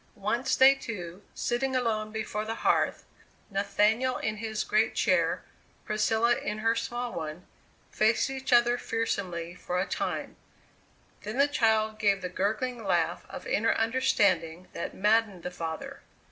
Once they two, sitting alone before the hearth Nathaniel in his great chair, Priscilla in her small one faced each other fearsomely for a time; then the child gave the gurgling laugh of inner understanding that maddened the father.